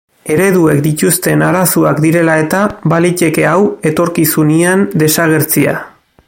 Ereduek dituzten arazoak direla eta baliteke hau etorkizunean desagertzea.